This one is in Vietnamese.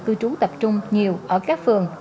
cư trú tập trung nhiều ở các phường